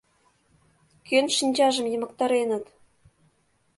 Кӧн шинчажым йымыктареныт?